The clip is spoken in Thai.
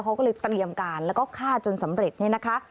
เขาก็เลยเตรียมการแล้วก็ฆ่าจนสำเร็จเนี่ยนะคะ